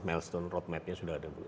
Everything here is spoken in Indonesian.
melston roadmap nya sudah ada bu